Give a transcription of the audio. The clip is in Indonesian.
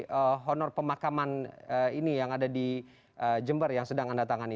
jadi honor pemakaman ini yang ada di jember yang sedang anda tangani